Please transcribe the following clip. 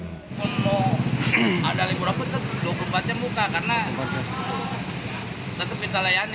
kalau ada libur apa dua puluh empat jam buka karena tetap kita layani